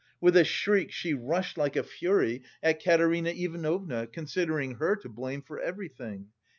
With a shriek she rushed like a fury at Katerina Ivanovna, considering her to blame for everything.